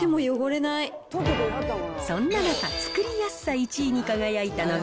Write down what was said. そんな中、作りやすさ１位に輝いたのが、